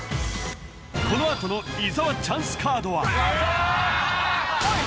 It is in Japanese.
このあとの伊沢チャンスカードはおい！